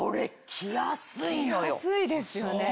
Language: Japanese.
着やすいですよね。